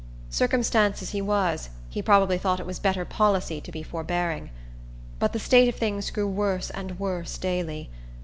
Circumstanced as he was, he probably thought it was better policy to be forebearing. But the state of things grew worse and worse daily.